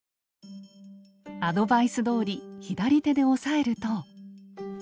アドバイスどおり左手で押さえると。